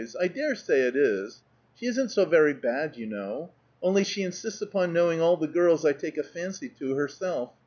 I dare say it is. She isn't so very bad, you know. Only she insists upon knowing all the girls I take a fancy to, herself.